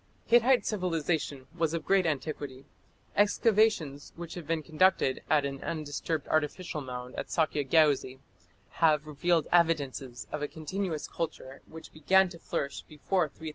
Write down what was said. Hittite civilization was of great antiquity. Excavations which have been conducted at an undisturbed artificial mound at Sakje Geuzi have revealed evidences of a continuous culture which began to flourish before 3000 B.C.